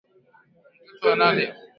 Mtoto Analia